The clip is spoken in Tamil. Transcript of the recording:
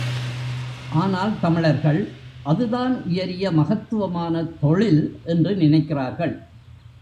ஆனால் தமிழர்கள், அதுதான் உயரிய மகத்துவமான தொழில் என்று நினைக்கிறார்கள்.